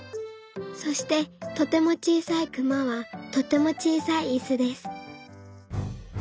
そしてとてもちいさいくまはとてもちいさいいすです。